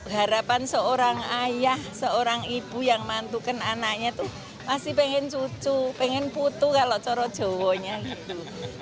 harapan seorang ayah seorang ibu yang mantukan anaknya itu masih pengen cucu pengen putu kalau corot jowonya gitu